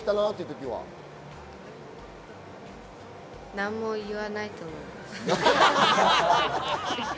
何も言わないと思います。